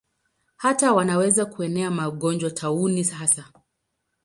Hata wanaweza kuenea magonjwa, tauni hasa.